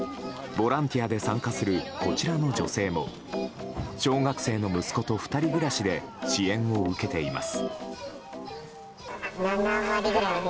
ボランティアで参加するこちらの女性も小学生の息子と２人暮らしで支援を受けています。